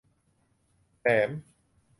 แถม